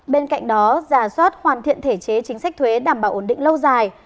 bên cạnh đó giả soát hoàn thiện thể chế chính sách thuế đảm bảo ổn định lâu dài